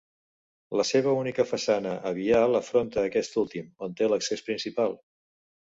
La seva única façana a vial afronta aquest últim, on té l'accés principal.